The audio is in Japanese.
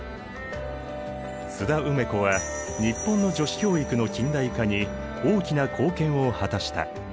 津田梅子は日本の女子教育の近代化に大きな貢献を果たした。